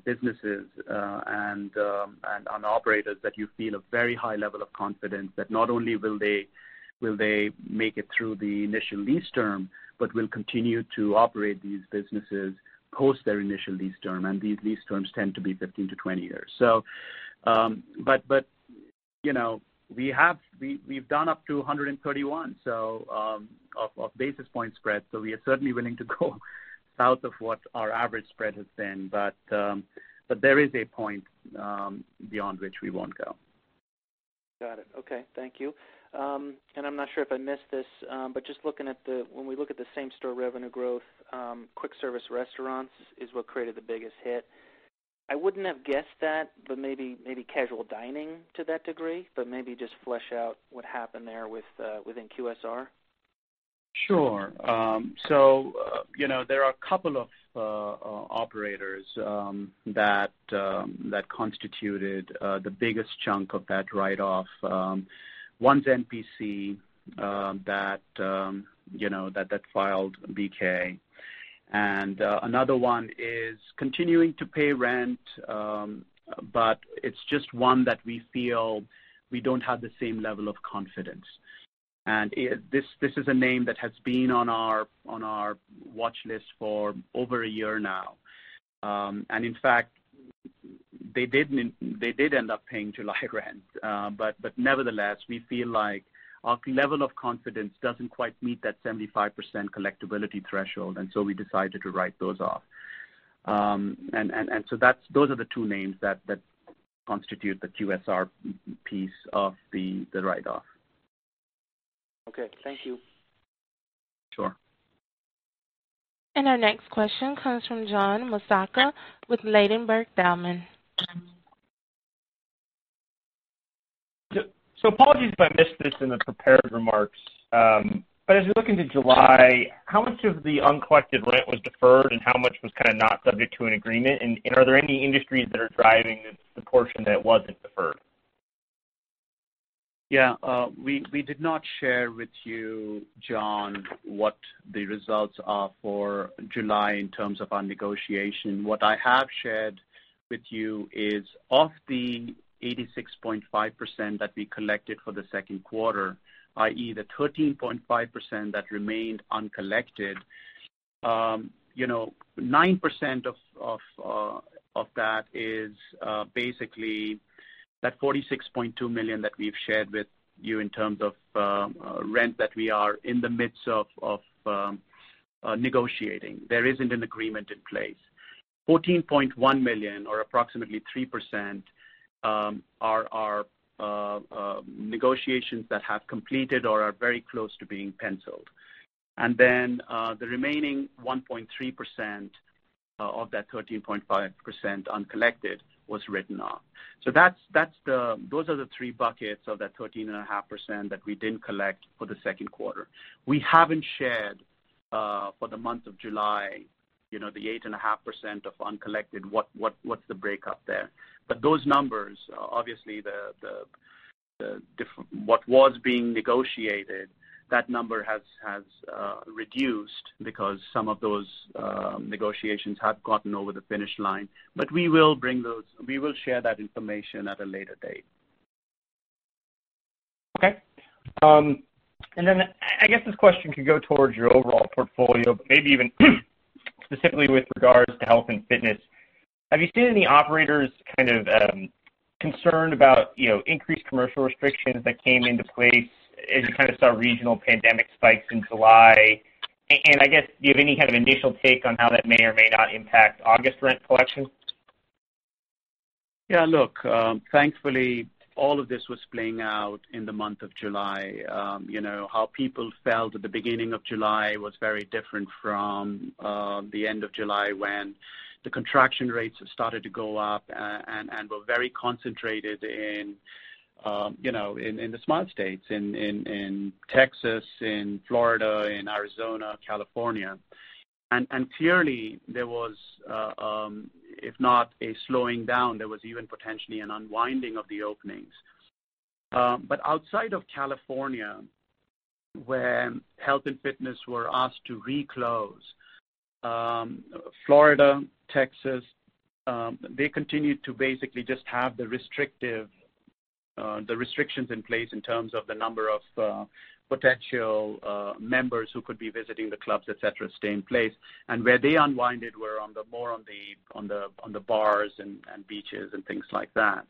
businesses and operators that you feel a very high level of confidence that not only will they make it through the initial lease term, but will continue to operate these businesses post their initial lease term. These lease terms tend to be 15-20 years. We've done up to 131 basis points spread. We are certainly willing to go south of what our average spread has been. There is a point beyond which we won't go. Got it. Okay. Thank you. I'm not sure if I missed this, but when we look at the same-store revenue growth, quick service restaurants is what created the biggest hit. I wouldn't have guessed that, but maybe casual dining to that degree, but maybe just flesh out what happened there within QSR. Sure. There are a couple of operators that constituted the biggest chunk of that write-off. One's NPC that filed BK. Another one is continuing to pay rent, but it's just one that we feel we don't have the same level of confidence. This is a name that has been on our watch list for over a year now. In fact, they did end up paying July rent. Nevertheless, we feel like our level of confidence doesn't quite meet that 75% collectibility threshold, and so we decided to write those off. Those are the two names that constitute the QSR piece of the write-off. Okay. Thank you. Sure. Our next question comes from John Massocca with Ladenburg Thalmann. Apologies if I missed this in the prepared remarks. As we look into July, how much of the uncollected rent was deferred, and how much was kind of not subject to an agreement? Are there any industries that are driving the portion that wasn't deferred? Yeah. We did not share with you, John, what the results are for July in terms of our negotiation. What I have shared with you is of the 86.5% that we collected for the second quarter, i.e., the 13.5% that remained uncollected, 9% of that is basically that $46.2 million that we've shared with you in terms of rent that we are in the midst of negotiating. There isn't an agreement in place. $14.1 million or approximately 3%, are negotiations that have completed or are very close to being penciled. The remaining 1.3% of that 13.5% uncollected was written off. Those are the three buckets of that 13.5% that we didn't collect for the second quarter. We haven't shared for the month of July, the 8.5% of uncollected, what's the breakup there. Those numbers, obviously what was being negotiated, that number has reduced because some of those negotiations have gotten over the finish line. We will share that information at a later date. Okay. I guess this question could go towards your overall portfolio, but maybe even specifically with regards to health and fitness. Have you seen any operators kind of concerned about increased commercial restrictions that came into place as you kind of saw regional pandemic spikes in July? I guess, do you have any kind of initial take on how that may or may not impact August rent collection? Yeah, look, thankfully, all of this was playing out in the month of July. How people felt at the beginning of July was very different from the end of July when the contraction rates have started to go up and were very concentrated in the Sun Belt states, in Texas, in Florida, in Arizona, California. Clearly there was, if not a slowing down, there was even potentially an unwinding of the openings. Outside of California, when health and fitness were asked to re-close, Florida, Texas, they continued to basically just have the restrictions in place in terms of the number of potential members who could be visiting the clubs, et cetera, stay in place. Where they unwinded were more on the bars and beaches and things like that.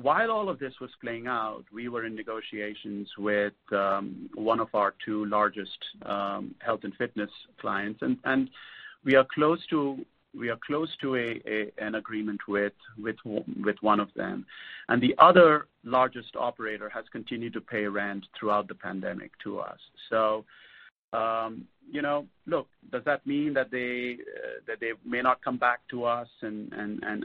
While all of this was playing out, we were in negotiations with one of our two largest health and fitness clients, and we are close to an agreement with one of them. The other largest operator has continued to pay rent throughout the pandemic to us. Look, does that mean that they may not come back to us and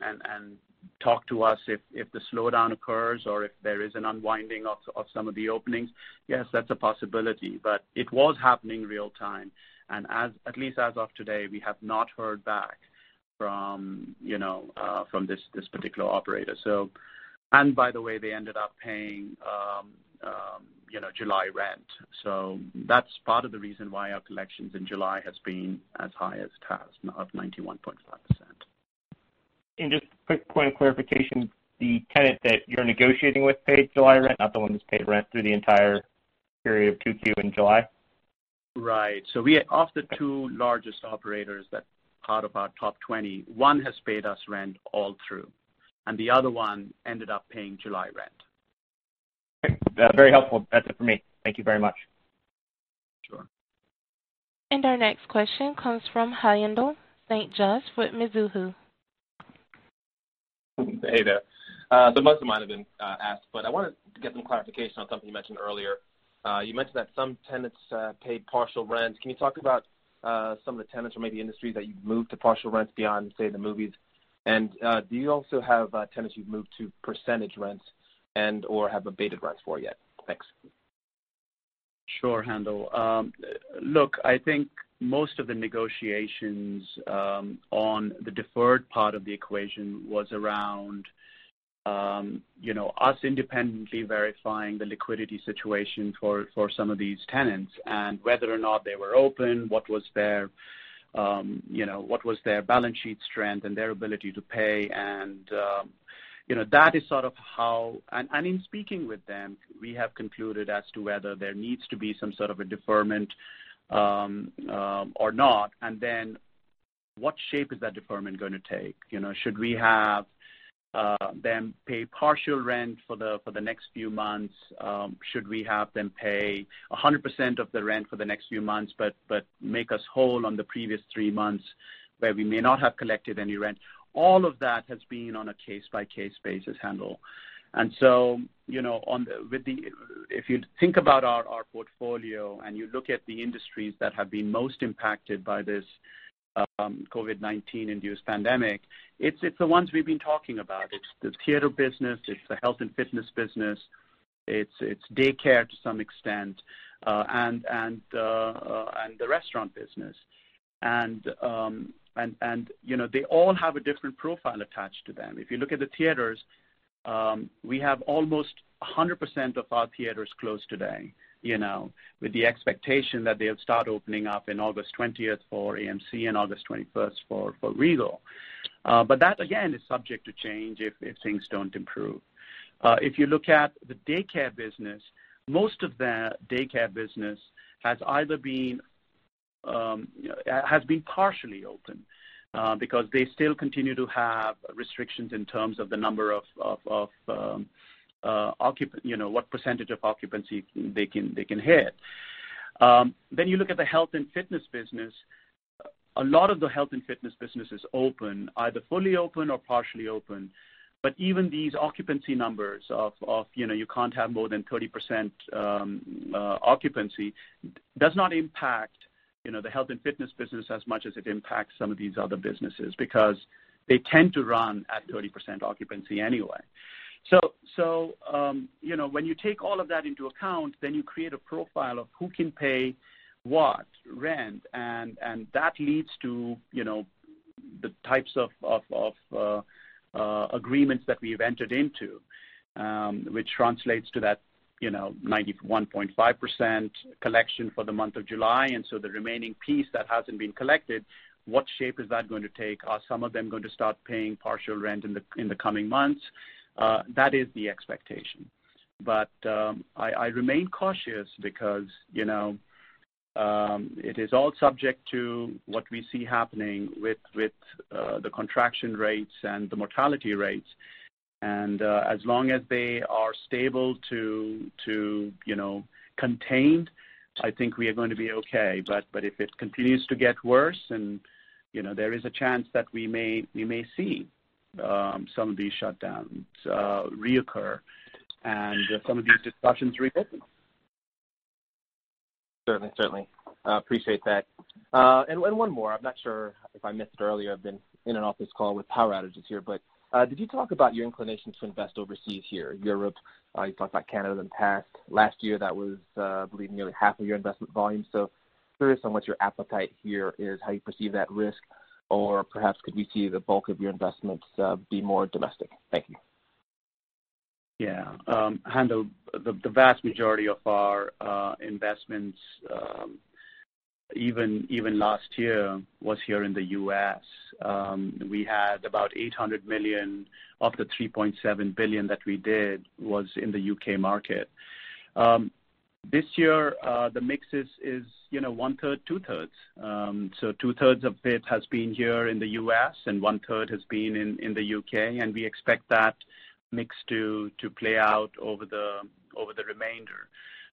talk to us if the slowdown occurs or if there is an unwinding of some of the openings? Yes, that's a possibility, but it was happening real time. At least as of today, we have not heard back from this particular operator. By the way, they ended up paying July rent. That's part of the reason why our collections in July has been as high as it has, of 91.5%. Just quick point of clarification, the tenant that you're negotiating with paid July rent, not the one who's paid rent through the entire period of Q2 and July? Right. Of the two largest operators that are part of our top 20, one has paid us rent all through, and the other one ended up paying July rent. Great. That was very helpful. That's it for me. Thank you very much. Sure. Our next question comes from Haendel St. Juste with Mizuho. Hey there. Most of mine have been asked, but I wanted to get some clarification on something you mentioned earlier. You mentioned that some tenants paid partial rent. Can you talk about some of the tenants or maybe industries that you've moved to partial rents beyond, say, the movies? Do you also have tenants you've moved to percentage rents and/or have abated rents for yet? Thanks. Sure, Haendel. Look, I think most of the negotiations on the deferred part of the equation was around us independently verifying the liquidity situation for some of these tenants, and whether or not they were open, what was their balance sheet strength and their ability to pay. In speaking with them, we have concluded as to whether there needs to be some sort of a deferment or not. Then what shape is that deferment going to take? Should we have them pay partial rent for the next few months? Should we have them pay 100% of the rent for the next few months, but make us whole on the previous three months where we may not have collected any rent? All of that has been on a case-by-case basis, Haendel. If you think about our portfolio and you look at the industries that have been most impacted by this COVID-19 induced pandemic, it's the ones we've been talking about. It's the theater business, it's the health and fitness business, it's daycare to some extent, and the restaurant business. They all have a different profile attached to them. If you look at the theaters, we have almost 100% of our theaters closed today with the expectation that they'll start opening up in August 20th for AMC and August 21st for Regal. That, again, is subject to change if things don't improve. If you look at the daycare business, most of the daycare business has been partially open because they still continue to have restrictions in terms of what percentage of occupancy they can hit. You look at the health and fitness business. A lot of the health and fitness business is open, either fully open or partially open. Even these occupancy numbers of you can't have more than 30% occupancy does not impact the health and fitness business as much as it impacts some of these other businesses, because they tend to run at 30% occupancy anyway. When you take all of that into account, then you create a profile of who can pay what rent, and that leads to the types of agreements that we've entered into, which translates to that 91.5% collection for the month of July. The remaining piece that hasn't been collected, what shape is that going to take? Are some of them going to start paying partial rent in the coming months? That is the expectation. I remain cautious because it is all subject to what we see happening with the contraction rates and the mortality rates. As long as they are stable to contained, I think we are going to be okay. If it continues to get worse, there is a chance that we may see some of these shutdowns reoccur and some of these discussions reopen. Certainly. Appreciate that. One more. I'm not sure if I missed it earlier. I've been in and off this call with power outages here, but did you talk about your inclination to invest overseas here, Europe? You've talked about Canada in the past. Last year, that was, I believe, nearly half of your investment volume. Curious on what your appetite here is, how you perceive that risk, or perhaps could we see the bulk of your investments be more domestic? Thank you. Yeah. Haendel, the vast majority of our investments, even last year, was here in the U.S. We had about $800 million of the $3.7 billion that we did was in the U.K. market. This year, the mix is one third, two thirds. So two thirds of it has been here in the U.S., and one third has been in the U.K., and we expect that mix to play out over the remainder.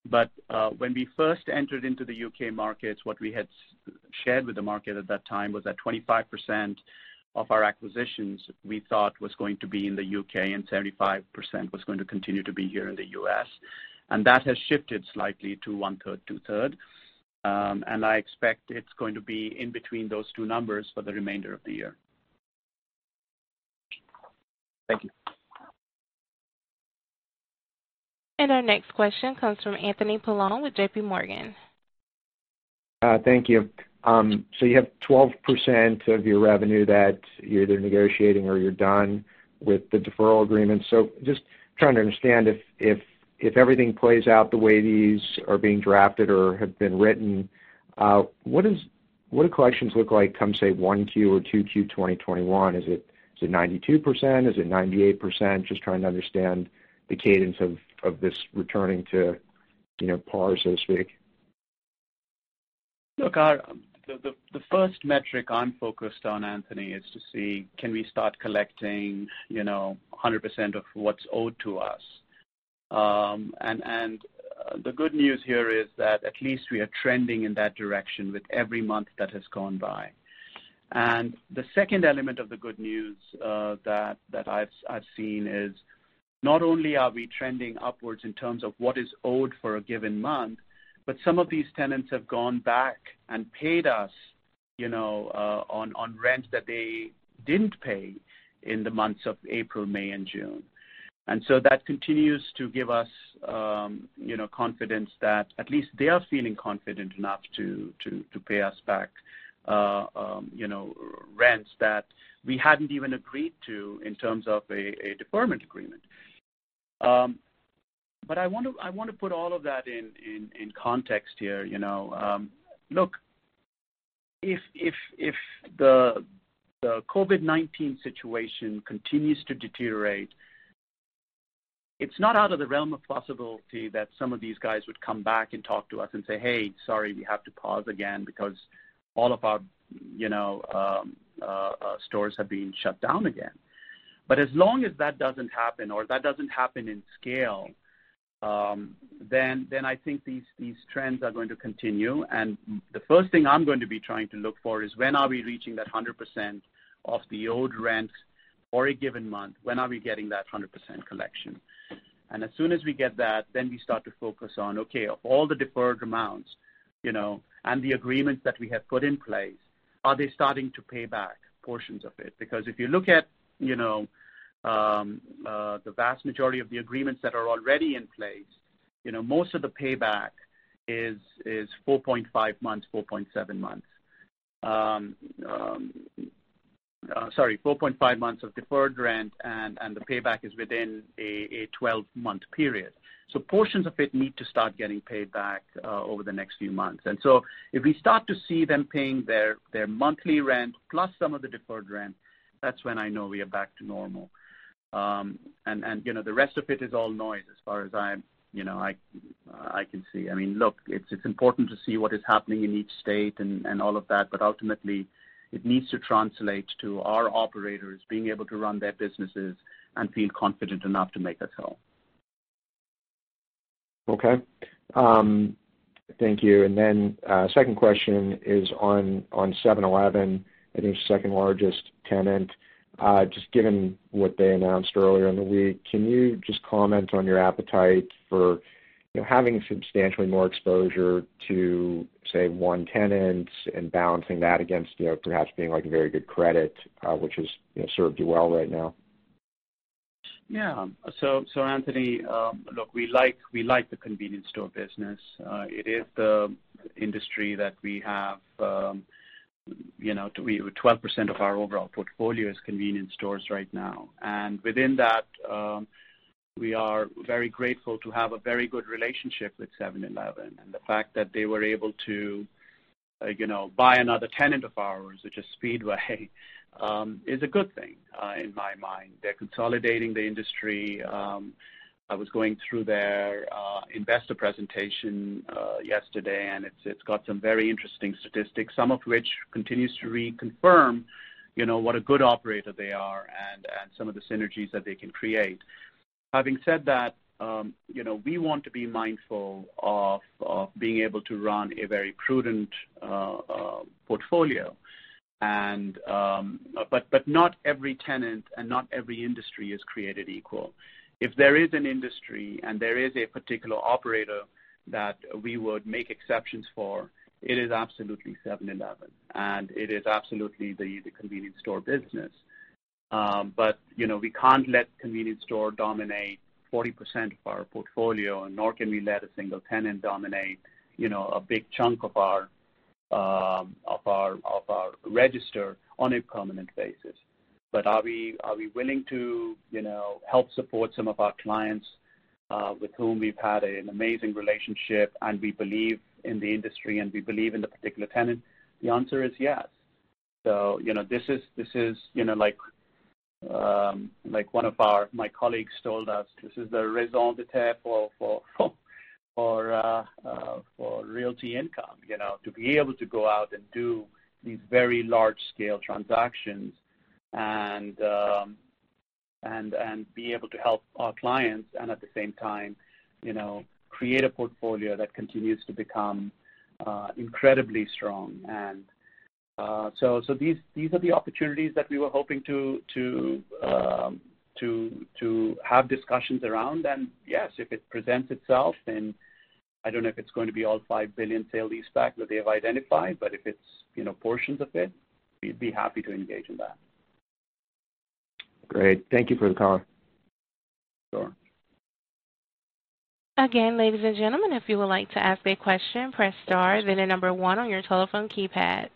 But when we first entered into the U.K. markets, what we had shared with the market at that time was that 25% of our acquisitions we thought was going to be in the U.K., and 75% was going to continue to be here in the U.S. And that has shifted slightly to one third, two third. And I expect it's going to be in between those two numbers for the remainder of the year. Thank you. Our next question comes from Anthony Paolone with JPMorgan. Thank you. You have 12% of your revenue that you're either negotiating or you're done with the deferral agreement. Just trying to understand if everything plays out the way these are being drafted or have been written, what do collections look like come, say, Q1 or Q2 2021? Is it 92%? Is it 98%? Just trying to understand the cadence of this returning to par, so to speak. Look, the first metric I'm focused on, Anthony, is to see, can we start collecting 100% of what's owed to us. The good news here is that at least we are trending in that direction with every month that has gone by. The second element of the good news that I've seen is not only are we trending upwards in terms of what is owed for a given month, but some of these tenants have gone back and paid us on rent that they didn't pay in the months of April, May and June. That continues to give us confidence that at least they are feeling confident enough to pay us back rents that we hadn't even agreed to in terms of a deferment agreement. I want to put all of that in context here. Look, if the COVID-19 situation continues to deteriorate, it's not out of the realm of possibility that some of these guys would come back and talk to us and say, "Hey, sorry, we have to pause again because all of our stores have been shut down again." As long as that doesn't happen, or that doesn't happen in scale, then I think these trends are going to continue. The first thing I'm going to be trying to look for is when are we reaching that 100% of the owed rent for a given month? When are we getting that 100% collection? As soon as we get that, then we start to focus on, okay, all the deferred amounts, and the agreements that we have put in place, are they starting to pay back portions of it? If you look at the vast majority of the agreements that are already in place, most of the payback is 4.5 months, 4.7 months. Sorry, 4.5 months of deferred rent and the payback is within a 12-month period. Portions of it need to start getting paid back over the next few months. If we start to see them paying their monthly rent plus some of the deferred rent, that's when I know we are back to normal. The rest of it is all noise as far as I can see. Look, it's important to see what is happening in each state and all of that, but ultimately it needs to translate to our operators being able to run their businesses and feel confident enough to make us whole. Okay. Thank you. Then second question is on 7-Eleven, I think your second-largest tenant. Just given what they announced earlier in the week, can you just comment on your appetite for having substantially more exposure to, say, one tenant and balancing that against perhaps being like a very good credit, which has served you well right now? Yeah. Anthony Paolone, look, we like the convenience store business. It is the industry that we have-- 12% of our overall portfolio is convenience stores right now. Within that, we are very grateful to have a very good relationship with 7-Eleven. The fact that they were able to buy another tenant of ours, which is Speedway, is a good thing in my mind. They're consolidating the industry. I was going through their investor presentation yesterday, and it's got some very interesting statistics, some of which continues to reconfirm what a good operator they are and some of the synergies that they can create. Having said that, we want to be mindful of being able to run a very prudent portfolio. Not every tenant and not every industry is created equal. If there is an industry and there is a particular operator that we would make exceptions for, it is absolutely 7-Eleven, and it is absolutely the convenience store business. We can't let convenience store dominate 40% of our portfolio, nor can we let a single tenant dominate a big chunk of our register on a permanent basis. Are we willing to help support some of our clients with whom we've had an amazing relationship, and we believe in the industry, and we believe in the particular tenant? The answer is yes. Like one of my colleagues told us, this is the raison d'être for Realty Income. To be able to go out and do these very large-scale transactions and be able to help our clients, and at the same time create a portfolio that continues to become incredibly strong. These are the opportunities that we were hoping to have discussions around. Yes, if it presents itself, and I don't know if it's going to be all $5 billion sale-leaseback that they have identified, but if it's portions of it, we'd be happy to engage in that. Great. Thank you for the call. Sure. Again, ladies and gentlemen, if you would like to ask a question, press star, then the number one on your telephone keypad.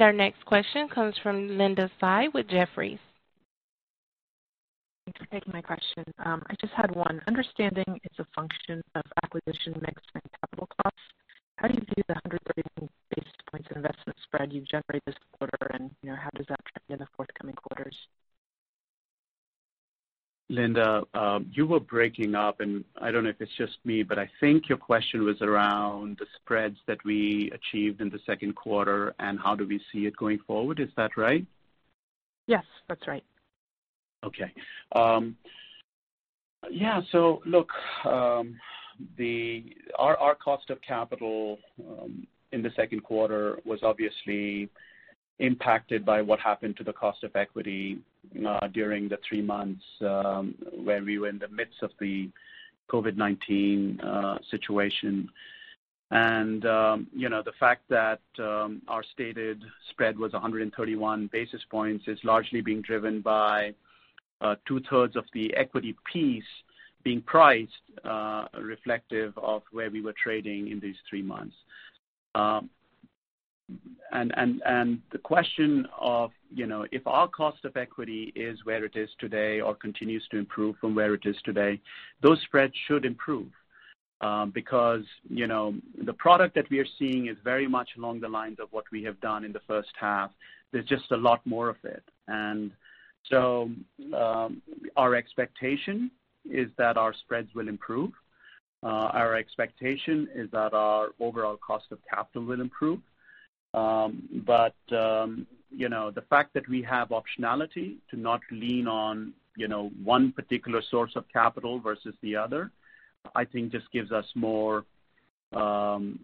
Our next question comes from Linda Tsai with Jefferies. Thanks for taking my question. I just had one. Understanding it's a function of acquisition mix and capital costs, how do you view the 130 basis points investment spread you've generated this quarter, and how does that trend in the forthcoming quarters? Linda, you were breaking up, and I don't know if it's just me, but I think your question was around the spreads that we achieved in the second quarter and how do we see it going forward. Is that right? Yes, that's right. Okay. Yeah. Look, our cost of capital in the second quarter was obviously impacted by what happened to the cost of equity during the three months where we were in the midst of the COVID-19 situation. The fact that our stated spread was 131 basis points is largely being driven by two-thirds of the equity piece being priced reflective of where we were trading in these three months. The question of if our cost of equity is where it is today or continues to improve from where it is today, those spreads should improve. The product that we are seeing is very much along the lines of what we have done in the first half. There's just a lot more of it. Our expectation is that our spreads will improve. Our expectation is that our overall cost of capital will improve. The fact that we have optionality to not lean on one particular source of capital versus the other, I think just gives us more optionality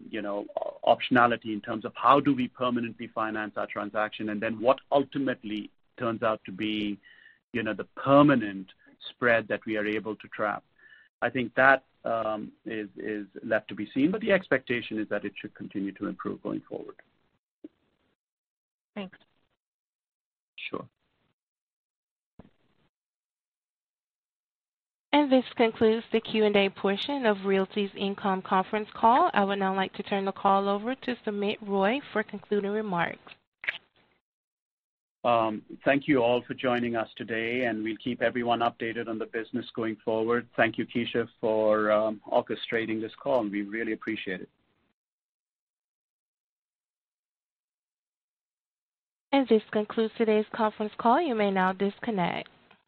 in terms of how do we permanently finance our transaction, and then what ultimately turns out to be the permanent spread that we are able to trap. I think that is left to be seen, but the expectation is that it should continue to improve going forward. Thanks. Sure. This concludes the Q and A portion of Realty Income Conference Call. I would now like to turn the call over to Sumit Roy for concluding remarks. Thank you all for joining us today. We'll keep everyone updated on the business going forward. Thank you, Keisha, for orchestrating this call, and we really appreciate it. This concludes today's conference call. You may now disconnect.